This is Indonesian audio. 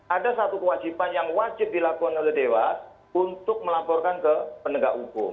ada satu kewajiban yang wajib dilakukan oleh dewas untuk melaporkan ke penegak hukum